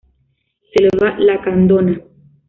Selva Lacandona